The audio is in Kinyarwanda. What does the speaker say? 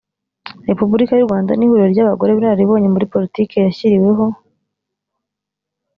repubulika y u rwanda n ihuriro ry abagore b inararibonye muri politiki yashyiriweho